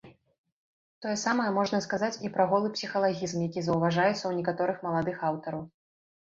Тое самае можна сказаць і пра голы псіхалагізм, які заўважаецца ў некаторых маладых аўтараў.